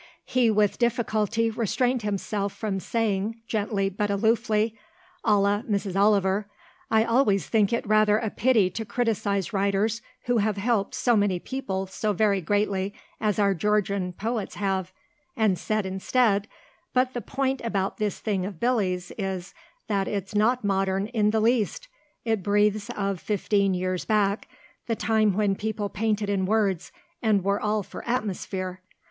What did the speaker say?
He with difficulty restrained himself from saying, gently but aloofly, a la Mrs. Oliver, "I always think it rather a pity to criticize writers who have helped so many people so very greatly as our Georgian poets have," and said instead, "But the point about this thing of Billy's is that it's not modern in the least. It breathes of fifteen years back the time when people painted in words, and were all for atmosphere.